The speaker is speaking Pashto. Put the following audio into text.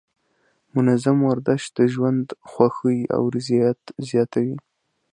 منظم ورزش د ژوند خوښۍ او رضایت زیاتوي.